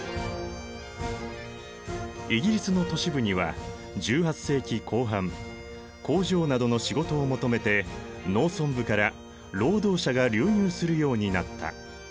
イギリスの都市部には１８世紀後半工場などの仕事を求めて農村部から労働者が流入するようになった。